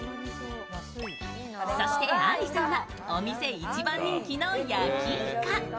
そしてあんりさんはお店一番人気の焼きいか。